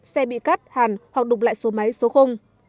xe bị cắt hàn hoặc đục lại số máy số